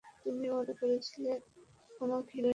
তুমি ওয়াদা করেছিলে আমাকে হিরোইন বানাবে।